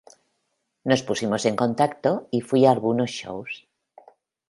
Nos pusimos en contacto y fui a algunos shows.